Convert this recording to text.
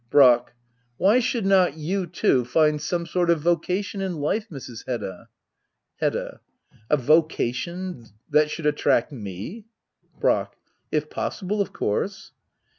Brack. Why should not you^ too, find some sort of vocation in life, Mrs. Hedda ? Hedda. A vocation — that should attract me ? Brack. If possible, of course.